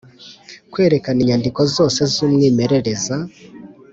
kwerekana inyandiko zose z umwimerere za